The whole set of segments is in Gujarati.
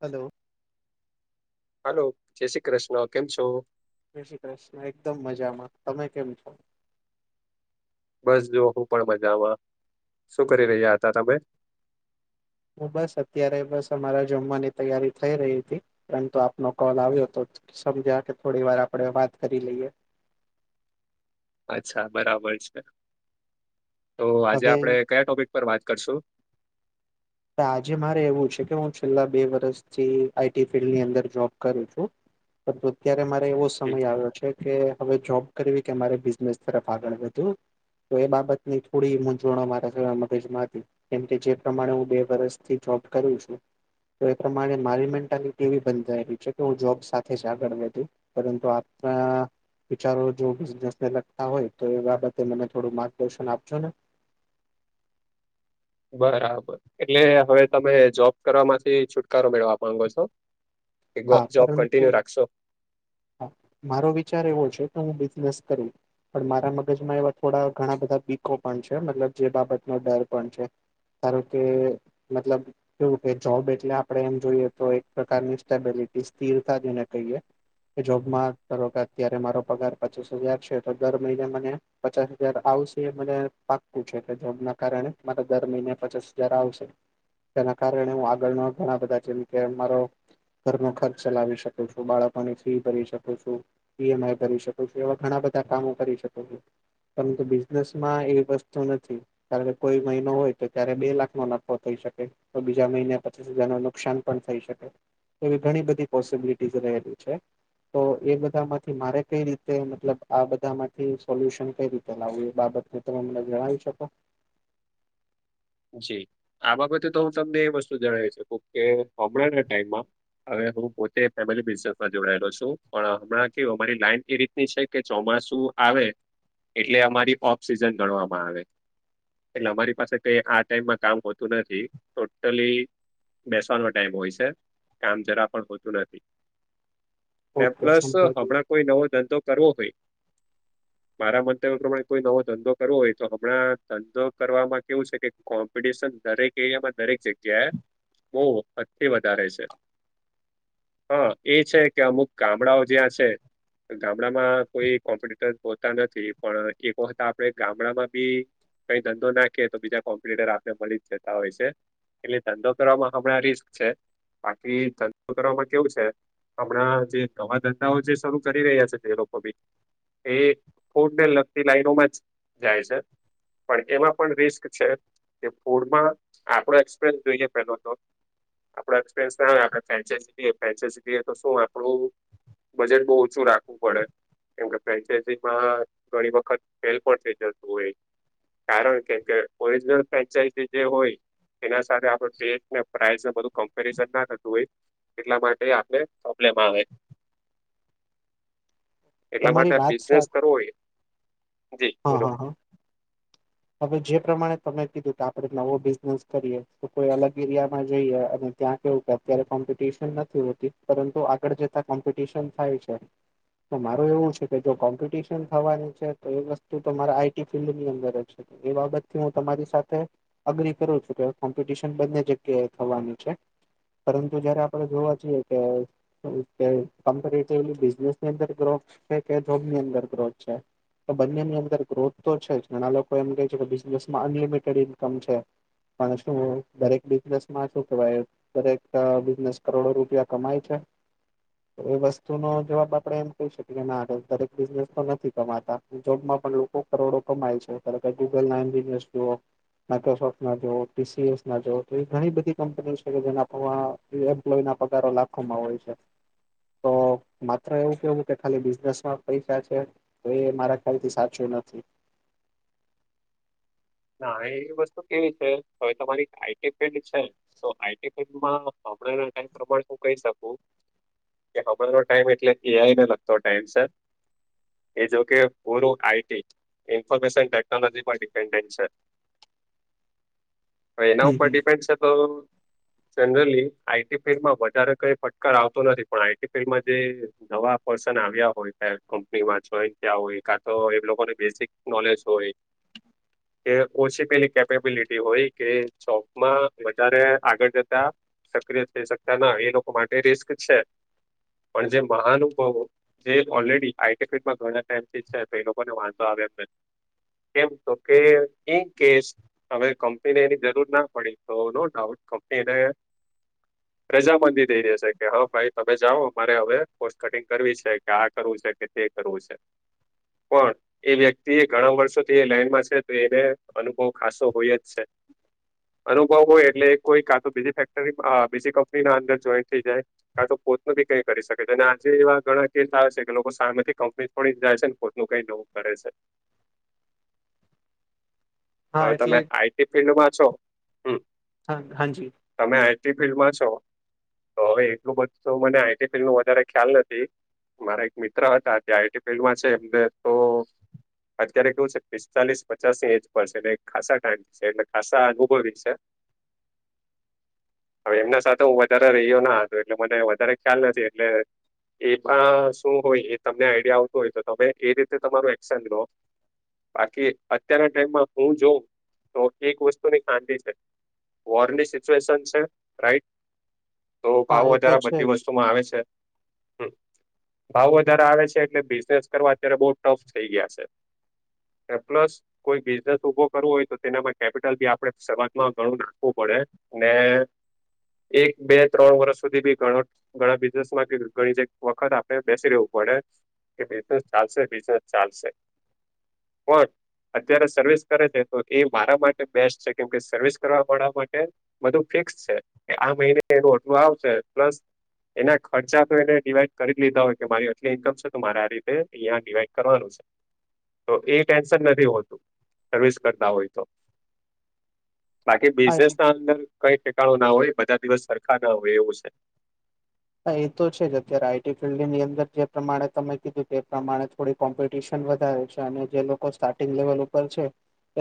હલો. હલો જય શ્રી કૃષ્ણ કેમ છો? જય શ્રી કૃષ્ણ એકદમ મજામાં તમે કેમ છો? બસ જો હું પણ મજામાં શું કરી રહ્યા હતા તમે. હું બસ અત્યારે બસ અમારા જમવાની તૈયારી થઈ રહી હતી પરંતુ આપનો કોલ આવ્યો હતો જ સમજ્યા કે થોડી વાર આપણેે વાત કરી લઈએ. અચ્છા બરાબર છે તો આજે હવે આપણે કયા ટોપિક પર વાત કરશું. આજે મારે એવું છે કે હું છેલ્લા બે વરસથી આઈટી ફિલ્ડની અંદર જોબ કરું છું. પરંતુ અત્યારે મારે એવું જી, સમય આવ્યો છે. કે હવે જોબ કરવી કે મારે બિઝનેસ તરફ આગળ વધુ તો એ બાબતની થોડી મૂંઝવણ મારા જ મગજમાં હતી કેમકે જે પ્રમાણે હું બે વરસથી જોબ કરું છું. તો એ પ્રમાણે મારી મેન્ટાલિટી એવી બંધાયેલી છે કે હું જોબ સાથે જ આગળ વધું. પરંતુ આપણા વિચારો જો બિઝનેસને લગતા હોય તો એ બાબતે મને થોડું માર્ગદર્શન આપજો ને. બરાબર એટલે હવે તમે જોબ કરવામાંથી છુટકારો મેળવા માંગો છો. કે હા જોબ પરંતુ કન્ટિન્યુ રાખશો મારો વિચાર એવો છે કે હું બિઝનેસ કરું. પણ મારા મગજમાં એવા થોડા ઘણા બધા બીકો પણ છે મતલબ જે બાબતનો ડર પણ છે. ધારો કે મતલબ કેવું કે જોબ એટલે આપણે એમ જોઈએ તો એક પ્રકારની સ્ટેબિલિટી સ્થિરતા જેને કહીએ જોબમાં ધારો કે અત્યારે મારો પગાર પચીસ હજાર છે તો દર મહિને મને પચાસ હજાર આવશે એ મને પાક્કું છે એટલે જોબ ના કારણે મારે દર મહિને પચાસ હજાર આવશે. તેના કારણે આગળના ઘણા બધા જેમ કે મારો ઘરનો ખર્ચ ચલાવી શકુ છું, બાળકોની ફી ભરી શકુ છું. ઈએમઆઈ ભરી શકું છું એવા ઘણા બધા કામો કરી શકુ છું. પરંતુ બિઝનેસ માં એ વસ્તુ નથી. ધારો કે કોઈ મહિનો હોય તો ત્યારે બે લાખ નો નફો થઈ શકે. તો બીજા મહિના પચીસ હજારનું નુકસાન પણ થઈ શકે. એવી ઘણી બધી પોસિબિલિટીઝ રહેલી છે. તો એ બધામાંથી મારે કઈ રીતે મતલબ આ બધામાંથી સોલ્યુશન કઈ રીતે લાવવું એ બાબતે તમે મને જણાવી શકો? જી આ બાબતે તો હું તમને એ વસ્તુ જણાવી શકું કે હમણાંના ટાઈમમાં હવે હું પોતે ફેમિલી બિઝનેસમાં જોડાયેલો છું પણ હમણાં કેવું અમારી લાઈન એ રીત ની છે કે ચોમાસું આવે એટલે અમારી ઓફ સિઝન ગણવામાં આવે. એટલે અમારી પાસે કઈ આ ટાઈમમાં કામ હોતું નથી ટોટલી બેસવાનો ટાઈમ હોય છે કામ જરા પણ હોતું નથી. [inaudible] ને પ્લસ સમજાઈ ગયું હમણાં કોઈ નવો ધંધો કરવો હોય મારા મંતવ્ય પ્રમાણે કોઈ નવો ધંધો કરવો હોય તો હમણાં ધંધો કરવામાં કેવું છે કે કોમ્પિટિશન દરેક એરિયામાં, દરેક જગ્યાએ બો હદથી વધારે છે. હા એ છે કે અમુક ગામડાઓ જ્યાં છે ગામડામાં કોઈ કોમ્પિટીટર હોતા નથી પણ એક વખત આપણે ગામડામાં બી કઈ ધંધો નાખીયે તો બીજા કોમ્પિટિટર આપને મળી જ જતા હોય છે. એટલે ધંધો કરવામાં હમણાં રિસ્ક છે બાકી ધંધો કરવામાં કેવું છે હમણાં જે નવા ધંધાઓ જે શરૂ કરી રહ્યા છે તે લોકો બી એ ફૂડને લગતી લાઈનોમાં જ જાય છે પણ એમાં પણ રિસ્ક છે કે ફૂડમાં આપડો એકસપેન જોઈએ પેલો તો આપણા જ પૈસા ને આપણે ફ્રેન્ચાઈઝી લઈએ ફ્રેન્ચાઇઝી લઈએ તો શુ આપડું બજેટ બો ઓછું રાખવું પડે. કેમ કે ફ્રેન્ચાઇઝીમાં ઘણી વખત ફેલ પણ થઈ જતું હોય કારણ કેમ કે ઓરિજનલ ફ્રેન્ચાઈઝી જે હોય એના સાથે આપડે પ્લેટને પ્રાઇસને બધું કમ્પેરીઝન ના થતું હોય. એટલા માટે આપને પ્રોબ્લેમ આવે. [inaudible] એટલા તમારી માટે વાત સાચ બિઝનેસ કરવો હોય જી હા બોલો હા હા. હવે જે પ્રમાણે તમે કીધું કે આપણે નવો બિઝનેસ કરીએ તો કોઈ અલગ એરિયામાં જઈએ અને ત્યાં કેવું કે અત્યારે કોમ્પિટિશન નથી હોતી પરંતુ આગળ જતા કોમ્પિટિશન થાય છે. તો માર એવું છે કે જો કોમ્પિટિશન થવાની છે તો એ વસ્તુ તોમારે આઈટી ફિલ્ડ ની અંદર જ એ બાબતથી હું તમારી સાથે એગ્રી કરું છું કે કોમ્પિટિશન બંને જગ્યાએ થવાની છે. પરંતુ જયારે આપડે જોવા જઈએ કે કમપેરેટિવલી બિઝનેસની અંદર ગ્રોથ છે કે જોબની અંદર ગ્રોથ છે? તો બંનેની અંદારે ગ્રોથ તો છે ઘણા લોકો એમ કે છે કે બિઝનેસમાં અનલિમિટેડ ઇન્કમ છે. પણ શું દરેક બિઝનેસમાં શું કેવાય દરેક બિઝનેસ કરોડો રૂપિયા કમાય છે? તો એ વસ્તુ નો જવાબ આપડે એમ કહી શકીએ, ના દરેક બિઝનેસ તો નથી કમાતા જોબમાં પણ લોકો કરોડો કમાય છે કે ગૂગલ ના એબિએસઓ માઇક્રોસોફ્ટ ના જોવો, ટીસીએસ ના જોવો તો એવી ઘણી બધી કંપનીઓ છે કે જેના પ્રમાણે એ એમ્પ્લોય ના પગારો લાખોમાં હોય છે. તો માત્ર એવું કેવું કે ખાલી બિઝનેસમાં જ પૈસા છે તો એ મારા ખ્યાલથી સાચું નથી. ના એ વસ્તુ કેવી છે અવે તમારી આઈટી ફીલ્ડ છે તો આઈ ટી ફિલ્ડમાં હમણાં ના ટાઇમ પ્રમાણે હું કહી શકું. કે હમણાંનો ટાઈમ એટલે એ આઈ નો લગતો ટાઈમ છે. એ જો કે પૂરું આઈ ટી ઇન્ફોર્મેશન ટેકનોલોજી પર ડિપેન્ડન્ટ છે. હવે એના હમ ઉપર હમ ડિપેન્ડ છે તો જનરલી આઈ ટી ફિલ્ડમાં વધારે કંઈ ફટકાર આવતો નથી પણ આઈ ટી ફિલ્ડમાં જે નવા પર્સન આવ્યા હોય કે કંપનીમાં જોઈન થયા હોય કા તો એ લોકોને બેઝીક નોલેજ હોય એ ઓછી પેલી કેપેબિલિટી હોય કે જોબમાં વધારે આગળ જતા. સક્રિય થઈ શકતા ના એ લોકો માટે રિસ્ક છે પણ જે મહાનુભવો જે ઓલરેડી આઈટી ફિલ્ડ માં ધણા ટાઈમથી છે તો એ લોકોને વાંધો આવે એમ નથી. કેમ તો કે ઇન કેસ હવે કંપનીની એની જરૂર ના પડી તો નો ડાઉટ કંપની એને રજા મંદી દઈ દેશે કે હા ભાઈ તમે જાઓ અમારે હવે કોસ્ટ કટિંગ કરવી છે કે આ કરવું છે કે તે કરવું છે. પણ એ વ્યક્તિ ઘણા વર્ષોથી એ લાઈનમાં છે તો એ તે અનુભવ ખાસો હોય જ છે. અનુભવ હોય એટલે કોઈ કા તો બીજી ફેક્ટરી અહ બીજી કંપની ના અંદર જોઈન થઈ જાય કા તો પોતનો બી કઈ કરી શકે છે અને આજે એવા ઘણા કેસ આવે છે કે લોકો સામે થી કંપની છોડી ને જાય છે ને પોતનું કઈ નવું કરે છે. હા હવે તમે એટલે આઈ ટી ફિલ્ડમાં છો. હમ્મ. હાજી. તમે આઈ ટી ફિલ્ડમાં છો? તો હવે એટલું બધું તો મને આઈ ટી ફિલ્ડ નું વધારે ખ્યાલ નથી. મારા એક મિત્ર હતા જે આઈ ટી ફિલ્ડમાં છે એમને તો અત્યારે કેવું છે પિસ્તાલીસ પચાસની એજ [unintelligible] એ ખાસા ટાઈમથી એ ખાસા અનુભવી છે. હવે એમના સાથે હું વધારે રહ્યો ના હતો એટલે મને વધારે ખ્યાલ નથી એટલે એમાં શું હોય એ તમને આઈડિયા આવતું હોય તો તમે એ રીતે તમારું એક્શન લો બાકી અત્યારે ટાઈમમાં હું જોઉં તો એક વસ્તુની [unintelligible] છે વોર ની સિચ્યુએશન છે રાઈટ તો હા ભાવ એ તો વધારો છે બધી જ વસ્તુમાં આવે છે હમ ભાવ વધારે આવે છે એટલે બિઝનેસ કરવા અત્યારે બહુ ટફ થઈ ગયા છે પ્લસ કોઈ બિઝનેસ ઉભો કરવો હોય તો તેનામાં કેપિટલ ભી આપણે શરૂઆતમાં ઘણું રાખવું પડે ને એક બે ત્રણ વર્ષ સુધી બી ગણ ઘણા બિઝનેસ માં ઘણી જે વખત આપણે બેસી રહેવું પડે કે બૂઝિનેસ ચાલશે બિઝનેસ ચાલશે પણ અત્યારે સર્વિસ કરે છે તો એ મારા માટે બેસ્ટ છે કેમકે સર્વિસ કરવા વાળા માટે બધું ફિક્સ છે આ મહિને એનુ આટલું આવશે પ્લસ એના ખર્ચા તો એને ડિવાઈડ કરી લીધા હોય કે મારી આટલી ઇન્કમ છેું મારે આ રીતે અંહિયા ડિવાઈડ કરવાનું તો એ ટેન્શન નથી હોતું સર્વિસ કરતા હોય તો બાકી હા એટલે બિઝનેસ ના અંદર કઈ ઠેકાણો ના હોય બધા દિવસ સરખા ના હોય એવું છે હ એ તો છે જ અત્યારે આઈટી ફિલ્ડની અંદર જે પ્રમાણે તમે કીધું તે પ્રમાણે થોડીક કોમ્પિટિશન વધારે છે અને જે લોકો સ્ટાર્ટિંગ લેવલ ઉપર છે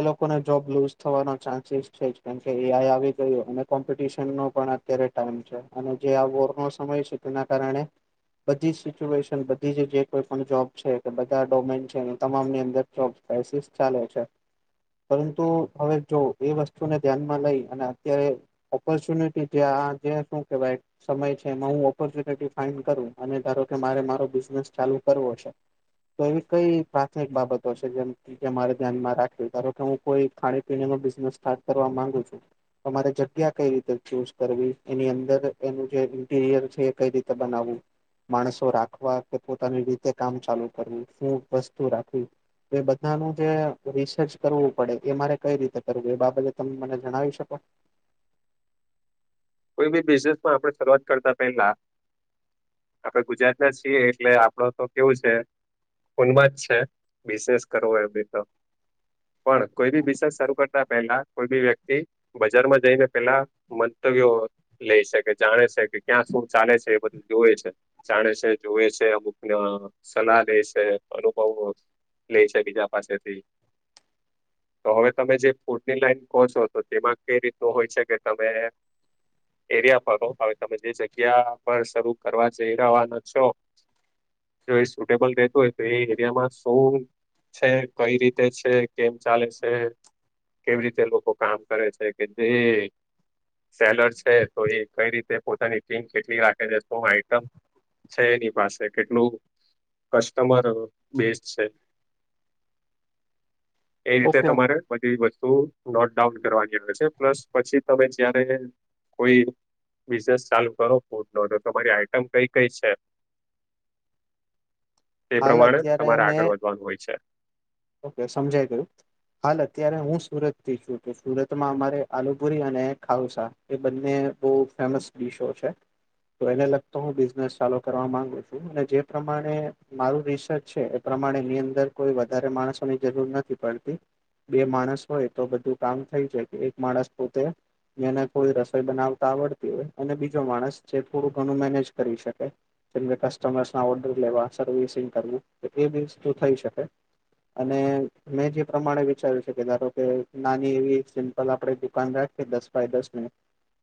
એ લોકોને જોબ લુઝ થવાનો ચાન્સીસ છે કેમકે એ આઈ આવી ગયો અને કોમ્પિટશન નો પણ અત્યારે ટાઈમ છે અને જે આ વોર નો સમય છે તેના કારણે બધી જ સિચ્યુએશન બધી જ જે કોઈ પણ જોબ છે કે બધા ડોમેન છે એ તમામની અંદર જોબ [unintelligible] ચાલે છે પરંતુ હવે જો એ વસ્તુને ધ્યાનમાં લઈ અને અત્યારે ઓપોર્ચ્યુનિટી જે આ જે શું કેવાય સમય છે કે હું ઓપોર્ચ્યુનિટી ફાઈન્ડ કરું અને ધારો કે મારે મારો બિઝનેસ ચાલુ કરવો છે તો એવી કઈ પ્રાથમિક બાબતો છે જેમ મારે ધ્યાનમાં રાખવી ધારો કે હું કોઈ ખાણી પીણી નો બિઝનેસ સ્ટાર્ટ કરવા માંગુ છું તમારે જગ્યા કઈ રીતે ચૂઝ કરવી એની અંદર એનું જે [unintelligible] છે એ કઈ રીતે બનાવવું માણસો રાખવા કે પોતાની રીતે કામ ચાલુ કરવું શું વસ્તુ રાખવી એ બધાનું જે રિસર્ચ કરવું પડે એ મારે કઈ રીતે કરવું એ બાબતે તમે મને જણાવી શકો કોઈ ભી બિઝનેસ માં આપણે શરૂઆત કરતા પેલા આપણે ગુજરાત ના છીએ એટલે આપડો તો કેવું છે ખૂનમાં જ છે બૂઝિનેસ કરવો એ ભી તો પણ કોઈ ભી બૂઝિનેસ શરૂ કર તા પહેલા કોઈ ભી વ્યક્તિ બજારમાં જઈને પેલા મંતવ્યો લઈ છે કે જાણે છે કે ક્યાં શું ચાલે છે એ બધું જોવે છે જાણે છે જોવે છે અમુકની સલાહ લે છે અનુભવ લે છે બીજા પાસે થી તો હવે તમે જે ફૂડ ની લાઈન કહો છો તો તેમાં કઈ રીતનું હોય છે કે તમે એરિયા પર હવે તમે જે જગ્યા પર શરૂ કરવા જઈ રવાના છો જો એ સુટેબલ રહેતું હોય તો એ એરિયામાં શું છે કઈ રીતે છે કેમ ચાલે છે કેવી રીતે લોકો કામ કરે છે કેટલી સેલરી છે તો એ કઈ રીતે પોતાની ટીમ કેટલી રાખે છે તો આઈટમ છે એની પાસે કેટલું કસ્ટમર બેઝ છે [inaudible] એ રીતે તમારે બધી વસ્તુ નોટ ડઉન કરવાની આવે છે પ્લસ પછી તમે જયારે કોઈ બિઝનેસ ચાલુ કરો ફૂડ નો તમારી આઈટમ કઈ કઈ છે તે હાલ પ્રમાણે અત્યારે તમારે આગળ મેં વધવાનું હોય છે. ઓકે સમજાય ગયું હાલ અત્યારે હું સુરત થી છું તો સુરતમાં અમારે આલુપુરી અને ખઉસા એ બંને બો ફેમસ ડીશો છે તો એને લગતો હું બિઝનેસ ચાલુ કરવા માંગુ છું અને જે પ્રમાણે મારું રિસર્ચ છે એ પ્રમાણે એની અંદર કોઈ વધારે માણસોની જરૂર નથી પળતી બે માણસ હોય તો બધું કામ થઈ જાય એક માણસ પોતે જેને થોડી રસોઈ બનાવતા આવડતી હોય અને બીજો માણસ જે થોડું ઘણું મેનેજ કરી શકે જેમ કે કસ્ટમર્સના ઓર્ડર લેવા સર્વિસિંગ કરવું તો એ બી વસ્તુ થઈ શકે અને મેં જે પ્રમાણે વિચાર્યું છે કે ધારો કે નાની એવી સિમ્પલ આપળે દુકાન રાખીએ દસ બાય દાસ ની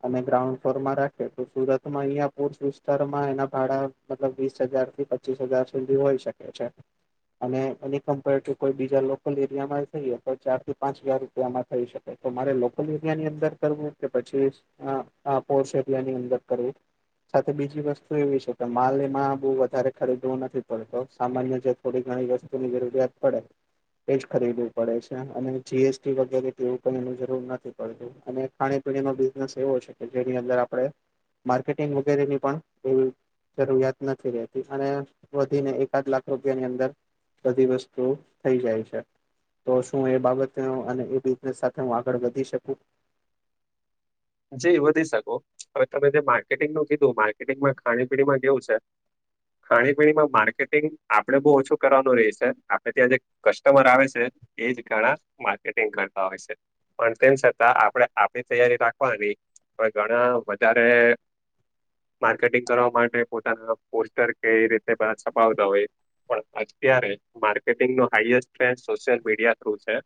અને ગ્રાઉન્ડ ફ્લોરમાં રાખે તો સુરતમાં ઐયા પોર્સ વિસ્તારમાં એના ભાળા મતલબ વીસ હજાર થી પચીસ હજાર સુધી હોઈ શકે છે અને એની કમ્પેર ટુ કોઈ બીજા લોકલ એરિયા માં જઈએ તો ચાર થી પાંચ હજાર રૂપિયામાં થઈ શકે તો તમારે લોકલ એરિયાની અંદર કરવું કે પછી અ અ પોર્સ એરિયાની અંદર કરવું સાથે બીજી વસ્તુ એવી છે કે માલ એમાં બો વધારે ખરીદવો નથી પડતો સામાન્ય જે થોડી ઘણી વસ્તુની જરૂરીયાત પડે એ જ ખરીદવું પડે છે અને જીએસટી વગેરે એવું પણ એનું જરૂર નથી પડતું અને ખાણી પીણી નો બિઝનેસ એવો છે કે જેની અંદર આપળે માર્કેટિંગ વગેરેની પણ એ જરૂરિયાત નથી રેતી અને વધીને એકાદ લાખ રૂપિયાની અંદર બધી વસ્ તું થઈ જાય છે તો શું એ બાબતે ઉ એને બિઝનેસ સાથે હું આગળ વધી શકું? જી વધી શકો હવે તમે જે માર્કેટિંગનું કીધું માર્કેટિંગમાં ખાણી પીણીમાં કેવું સે ખાણી પીણીમાં માર્કેટિંગ આપળે બો ઓછું કરવાનું રેય સે આપળે ત્યાં જે કસ્ટમર આવે સે એજ ઘણા માર્કેટિંગ કરતા હોય સે પણ તેમ છતાં આપળે આપળી તૈયારી રાખવાની પણ ઘણા વધારે માર્કેટિંગ કરવા માટે પોતાના પોસ્ટર કેવી રીતે [unintelligible] છપાવતા હોય પણ અત્યારે માર્કેટિંગ નો highest trend social media through છે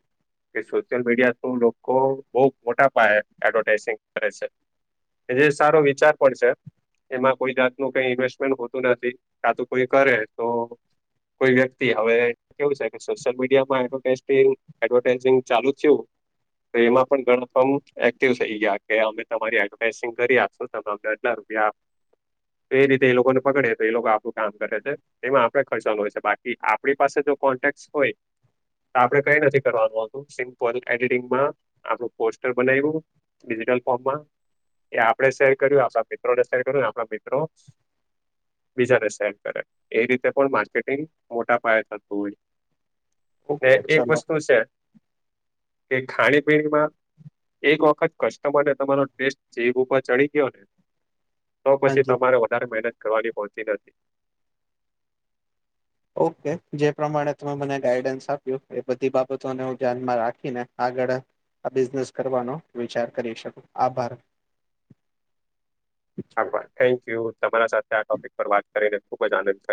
કે સોશિયલ મીડિયા થ્રુ લોકો બો મોટા પાયે એડવર્ટાઈઝિંગ કરે સે એજે સારો વિચાર પણ સે એમાં કોઈ જાતનું કઈ ઈન્વેસ્ટમેન્ટ હોતું નથી કાતું કોઈ કરે તો કોય વ્યક્તિ હવે કેવું સે કે સોશિયલ મીડિયા માં એડવર્ટાઈઝ થી એવું એડવર્ટાઇઝિંગ ચાલુ થ્યું તો એમાં પણ ગણો [unintelligible] એ કેવું સે ઐયા કે અમે તમારી એડવર્ટાઈઝિંગ કરી આપશું તમે અમને આટલા રૂપિયા તો એ રીતે એ લોકોને પકળે તો એ લોકો આપળુ કામ કરે છે એમાં આપળે ખર્ચવાનું હોય સે બાકી આપળી પાસે તો કોન્ટેક હોય આપળે કઈ નથી કરવાનું આવતું સિમ્પલ એડિટિંગમાં આપળુ પોસ્ટર બનાયવું ડિજિટલ ફોર્મમાં એ આપળે શેર કર્યું આપળા મિત્રોને શેર કર્યું ને આપળા મિત્રો બીજાને સેન્ડ કરે એ રીતે પણ માર્કેટિંગ મોટા પાયે થતું હોય ને ઓકે એક ચલો વસ્તુ સે કે ખાણીપીણીમાં એક વ ખત કસ્ટમર ને તમારો ટેસ્ટ જીભ ઉપર ચડી ગ્યો ને તો પસી હાજી તમારે વધારે મેનત કરવાની પોચતી નથી. ઓકે જે પ્રમાણે તમે મને ગાઈડન્સ આપ્યું એ બધી બાબતોને હું ધ્યાનમાં રાખીને આગળ આ બિઝનેસ કરવાનો વિચાર કરી શકુ આભાર આભાર થેન્કયુ તમારા સાથે આ ટોપિક પર વાત કરીને ખુબ જ આનંદ થ